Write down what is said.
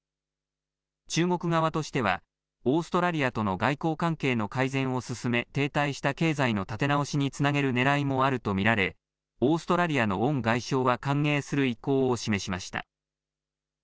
中国側としてはオーストラリアとの外交関係の改善を進め停滞した経済の建て直しにつなげるねらいもあると見られオーストラリアのウォン外相は歓迎する意向を示しました。